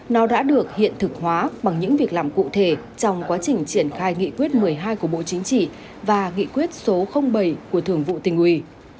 nó đã được hiện thực hóa bằng những việc làm cụ thể trong quá trình triển khai nghị quyết một mươi hai của bộ chính trị và nghị quyết số bảy của thường vụ tình ủy